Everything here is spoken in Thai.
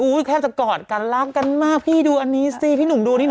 แค่จะกอดกันรักกันมากพี่ดูอันนี้สิพี่หนุ่มดูนี่เห